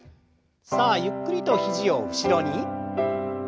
さあゆっくりと肘を後ろに。